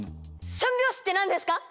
３拍子って何ですか？